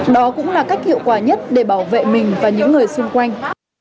đó cũng là cách hiệu quả nhất để bảo vệ mình và những người xung quanh